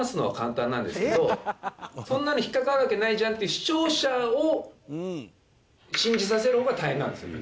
「そんなに引っかかるわけないじゃん」っていう視聴者を信じさせる方が大変なんですよね。